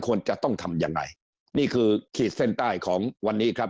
ควรจะต้องทำยังไงนี่คือขีดเส้นใต้ของวันนี้ครับ